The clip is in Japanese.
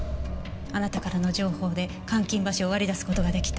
あなたからの情報で監禁場所を割り出す事が出来た。